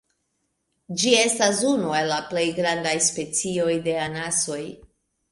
Ĝi estas unu el la plej grandaj specioj de anasoj.